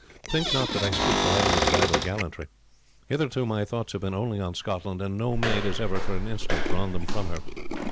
Think not that I speak the language of idle gallantry. Hitherto my thoughts have been only on Scotland, and no maiden has ever for an instant drawn them from her.